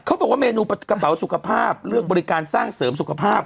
เขาบอกว่าเมนูกระเป๋าสุขภาพเลือกบริการสร้างเสริมสุขภาพ